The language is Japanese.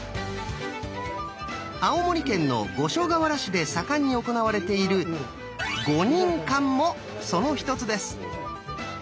青森県の五所川原市で盛んに行われている「ゴニンカン」もその一つです。